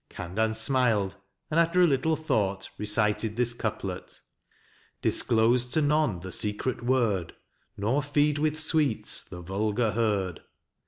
Khandan smiled, and after a little thought recited this couplet: Disclose to none the secret word, Nor feed with sweets the vulgar herd.